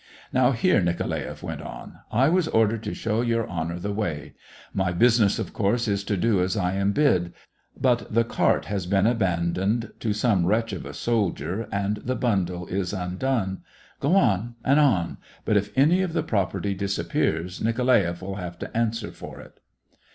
" Now, here," Nikolaeff went on, " I was ordered to show Your Honor the way. My business, of course, is to do as I am bid ; but the cart has been aban doned to some wretch of a soldier, and the bundle is undone. ... Go on and on ; but if any of the property disappears, Nikolaeff will have to answer for it."